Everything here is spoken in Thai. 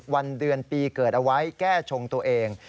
วันเดือนปีเกิดเอาไว้แก้ชงตัวเอง